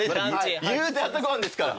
いうて朝ごはんですから。